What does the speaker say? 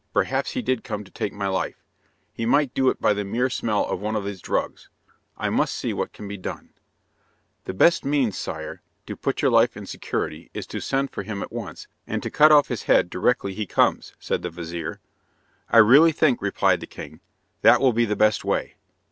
Perhaps he did come to take my life. He might do it by the mere smell of one of his drugs. I must see what can be done." "The best means, sire, to put your life in security, is to send for him at once, and to cut off his head directly he comes," said the vizir. "I really think," replied the king, "that will be the best way."